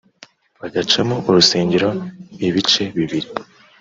bagacamo urusengero ibice bibiri